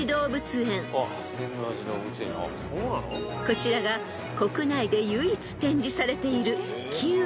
［こちらが国内で唯一展示されているキーウィ］